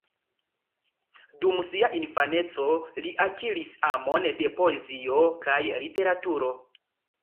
Dum sia infaneco li akiris amon de poezio kaj literaturo.